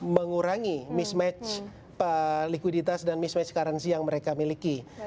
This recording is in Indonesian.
mengurangi mismatch likuiditas dan mismage currency yang mereka miliki